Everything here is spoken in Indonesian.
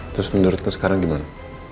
terus menurutmu sekarang gimana